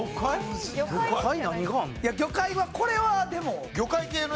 魚介はこれはでも。